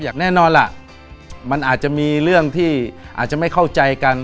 แน่นอนล่ะมันอาจจะมีเรื่องที่อาจจะไม่เข้าใจกัน